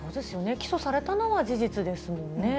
起訴されたのは事実ですもんね。